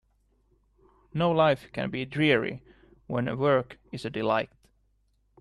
No life can be dreary when work is a delight.